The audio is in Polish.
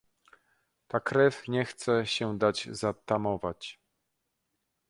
"Ta krew nie chce się dać zatamować?"